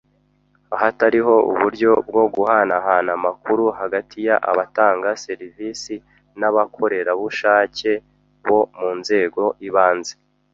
hatariho uburyo bwo guhanahana amakuru hagati y abatanga serivisi nabakorerabushake bo mu nzego ibanze